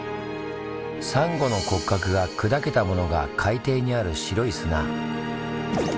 サンゴの骨格が砕けたものが海底にある白い砂。